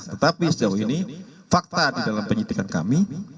tetapi sejauh ini fakta di dalam penyidikan kami